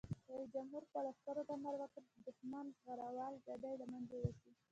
رئیس جمهور خپلو عسکرو ته امر وکړ؛ د دښمن زغروال ګاډي له منځه یوسئ!